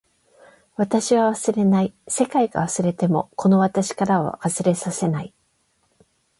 私は忘れない。世界が忘れてもこの私からは忘れさせない。